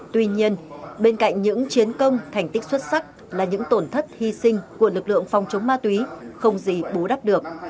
tuy nhiên bên cạnh những chiến công thành tích xuất sắc là những tổn thất hy sinh của lực lượng phòng chống ma túy không gì bù đắp được